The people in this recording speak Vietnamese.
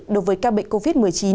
đối với ca bệnh covid một mươi chín